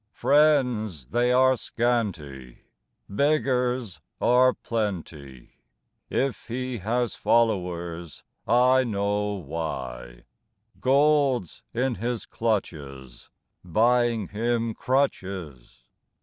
Friends, they are scanty, Beggars are plenty, If he has followers, I know why; Gold's in his clutches, (Buying him crutches!)